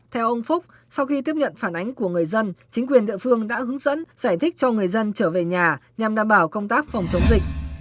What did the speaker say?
theo ông phúc sau khi tiếp nhận phản ánh của người dân chính quyền địa phương đã hướng dẫn giải thích cho người dân trở về nhà nhằm đảm bảo công tác phòng chống dịch